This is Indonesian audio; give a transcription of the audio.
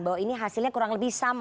bahwa ini hasilnya kurang lebih sama